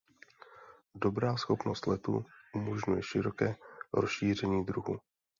Dobrá schopnost letu umožňuje široké rozšíření druhu.